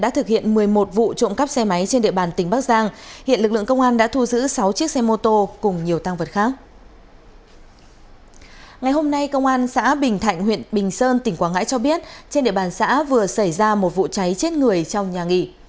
trên địa bàn xã bình thạnh huyện bình sơn tỉnh quảng ngãi cho biết trên địa bàn xã vừa xảy ra một vụ cháy chết người trong nhà nghỉ